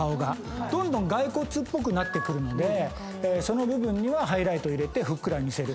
どんどん骸骨っぽくなってくるのでその部分にはハイライト入れてふっくら見せる。